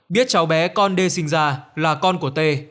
biết cháu bé con đê sinh ra là con của tê